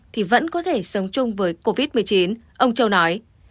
thì vẫn có thể sống chung với covid một mươi chín ông châu nói